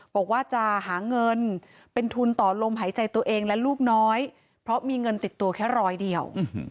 บอกว่าจะหาเงินเป็นทุนต่อลมหายใจตัวเองและลูกน้อยเพราะมีเงินติดตัวแค่ร้อยเดียว